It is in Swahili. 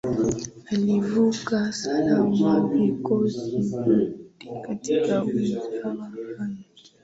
Alivuka salama vikwanzo vyote katika wizara yake